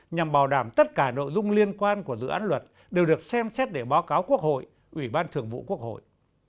nhằm bảo đảm tất cả nội dung liên quan của dự án luật đều được xem xét để báo cáo quốc hội ủy ban thường vụ quốc hội